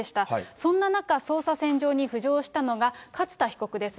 そんな中、捜査線上に浮上したのが、勝田被告です。